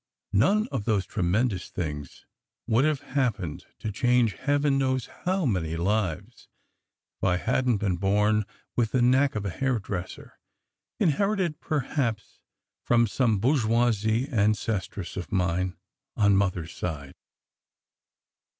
None of those tremendous things would have happened to change heaven knows how many lives, if I hadn t been born with the knack of a hairdresser, inherited perhaps from some bourgeoise ancestress of mine on Mother s side.